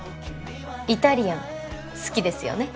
イタリアン好きですよね？